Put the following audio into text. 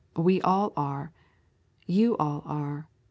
We all are. You all are.